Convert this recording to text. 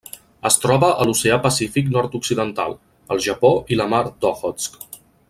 Es troba a l'Oceà Pacífic nord-occidental: el Japó i la Mar d'Okhotsk.